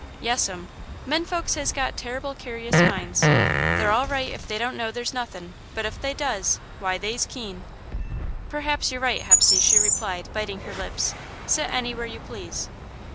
"Yes'm. Men folks has got terrible curious minds. They're all right if they don't know there's nothin', but if they does, why they's keen." "Perhaps you're right, Hepsey," she replied, biting her lips. "Sit anywhere you please."